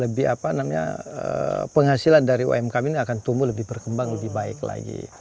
lebih apa namanya penghasilan dari umkm ini akan tumbuh lebih berkembang lebih baik lagi